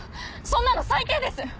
そんなの最低です！